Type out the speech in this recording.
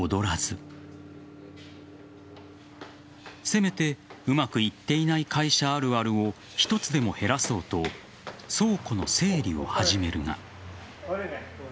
せめて、うまくいっていない会社あるあるを一つでも減らそうと倉庫の整理を始めるが。